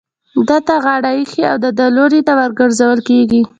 ده ته غاړه ايښې او د ده لوري ته ورگرځول كېږي.